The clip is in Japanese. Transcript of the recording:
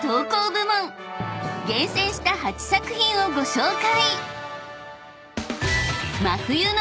［厳選した８作品をご紹介］